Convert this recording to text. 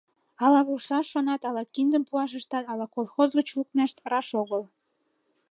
Ала вурсаш шонат, ала киндым пуаш ыштат, ала колхоз гыч лукнешт — раш огыл.